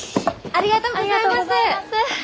ありがとうございます！